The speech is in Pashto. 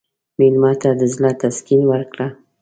مېلمه ته د زړه تسکین ورکړه.